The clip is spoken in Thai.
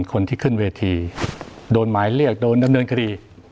คนที่ขึ้นเวทีโดนหมายเรียกโดนดำเนินคดี